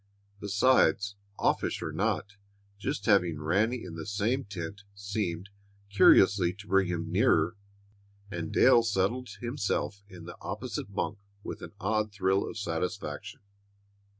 Besides, offish or not, just having Ranny in the same tent seemed, curiously, to bring him nearer, and Dale settled himself in the opposite bunk with an odd thrill of satisfaction.